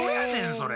それ。